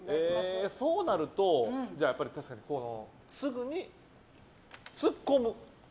そうなると、すぐにツッコむ。